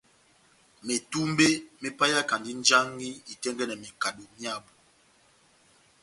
Metumbe me paiyaki njaŋhi itɛ́ngɛ́nɛ mekado myábu.